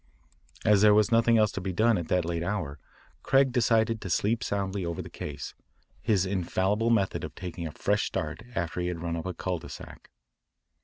As there was nothing else to be done at that late hour, Craig decided to sleep soundly over the case, his infallible method of taking a fresh start after he had run up a cul de sac.